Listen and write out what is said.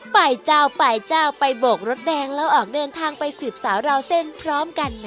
ไปเจ้าไปเจ้าไปโบกรถแดงแล้วออกเดินทางไปสืบสาวราวเส้นพร้อมกันนะ